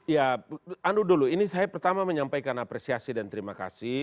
ya anu dulu ini saya pertama menyampaikan apresiasi dan terima kasih